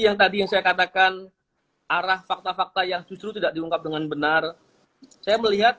yang tadi yang saya katakan arah fakta fakta yang justru tidak diungkap dengan benar saya melihat